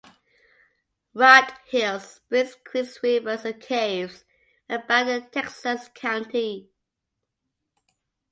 Rugged hills, springs, creeks, rivers and caves abound in Texas County.